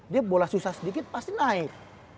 dia boleh susah sedikit pasti naik